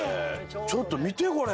ちょっと見てこれ。